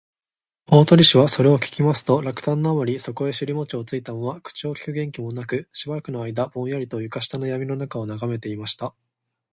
大鳥氏はそれを聞きますと、落胆のあまり、そこへしりもちをついたまま、口をきく元気もなく、しばらくのあいだぼんやりと、床下のやみのなかをながめていました